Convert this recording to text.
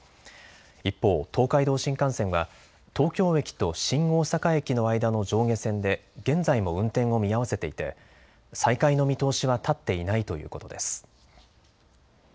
一方、東海道新幹線は東京駅と新大阪駅の間の上下線で現在も運転を見合わせていて再開の見通しは立っていないということです。